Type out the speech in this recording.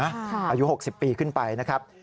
อายุ๖๐ปีขึ้นไปนะครับ